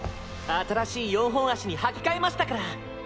新しい四本足に履き替えましたから。